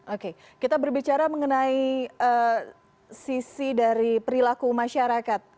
oke kita berbicara mengenai sisi dari perilaku masyarakat